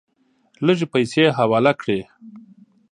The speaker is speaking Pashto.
لږې پیسې حواله کړې.